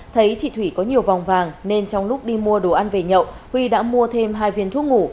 thấy chị thủy có nhiều vòng vàng nên trong lúc đi mua đồ ăn về nhậu huy đã mua thêm hai viên thuốc ngủ